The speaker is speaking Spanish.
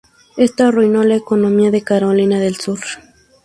Esto arruinó la economía de Carolina del Sur.